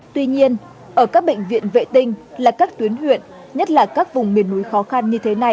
tuy nhiên ở các bệnh viện vệ tinh là các tuyến huyện nhất là các vùng miền núi khó khăn như thế này